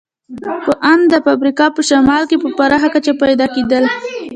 په ان د افریقا په شمال کې په پراخه کچه پیدا کېدل.